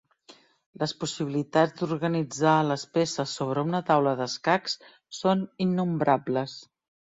Les possibilitats d'organitzar les peces sobre una taula d'escacs són innombrables.